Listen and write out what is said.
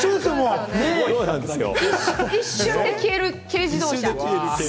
一瞬で消える軽自動車！